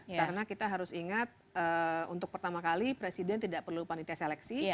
karena kita harus ingat untuk pertama kali presiden tidak perlu panitia seleksi